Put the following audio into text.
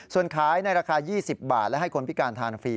ส่วนขายในราคา๒๐บาทและให้คนพิการทานฟรี